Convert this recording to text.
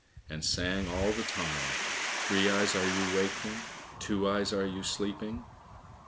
and sang all the time, "Three eyes, are you waking? Two eyes, are you sleeping?"